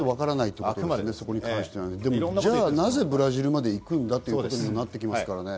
じゃあなぜブラジルまで行くんだということになってきますからね。